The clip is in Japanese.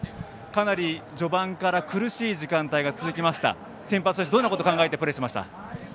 かなり序盤から苦しい時間帯が続いて先発としてどんなことを意識してプレーしましたか。